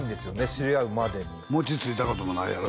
知り合うまでに餅ついたこともないやろ？